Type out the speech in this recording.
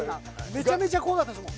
めちゃめちゃ怖かったですもん。